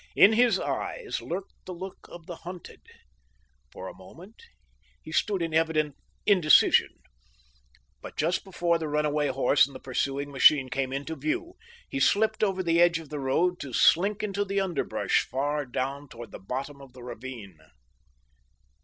In his eyes lurked the look of the hunted. For a moment he stood in evident indecision, but just before the runaway horse and the pursuing machine came into view he slipped over the edge of the road to slink into the underbrush far down toward the bottom of the ravine.